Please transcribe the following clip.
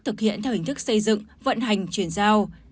thực hiện theo hình thức xây dựng vận hành chuyển giao